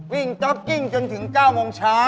จ๊อปกิ้งจนถึง๙โมงเช้า